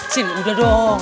sin udah dong